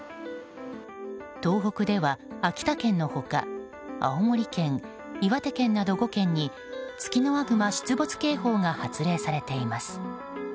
東北では秋田県の他青森県、岩手県など５県にツキノワグマ出没警報が発令されています。